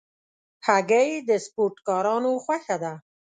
هګۍ د سپورټکارانو خوښه ده.